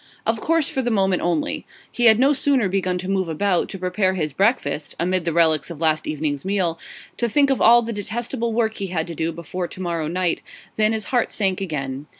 Of course for the moment only. He had no sooner begun to move about, to prepare his breakfast (amid the relics of last evening's meal), to think of all the detestable work he had to do before to morrow night, than his heart sank again.